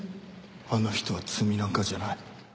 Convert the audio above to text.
あの人は罪なんかじゃない